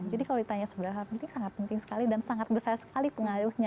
jadi kalau ditanya seberapa penting sangat penting sekali dan sangat besar sekali pengaruhnya